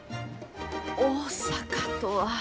大阪とは。